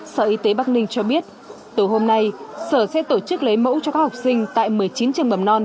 sở y tế bắc ninh cho biết từ hôm nay sở sẽ tổ chức lấy mẫu cho các học sinh tại một mươi chín trường mầm non